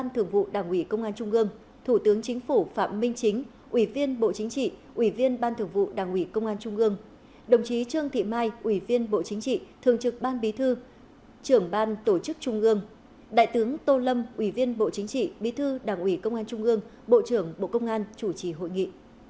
thủ tướng chính phủ phạm minh chính ủy viên bộ chính trị ủy viên ban thường vụ đảng ủy công an trung ương đồng chí trương thị mai ủy viên bộ chính trị thường trực ban bí thư trưởng ban tổ chức trung ương đại tướng tô lâm ủy viên bộ chính trị bí thư đảng ủy công an trung ương bộ trưởng bộ công an chủ trì hội nghị